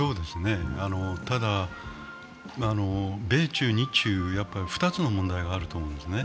ただ、米中、日中、２つの問題があると思うんですね。